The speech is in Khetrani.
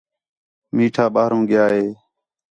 میٹھا ٻاہروں ڳِیا ہِے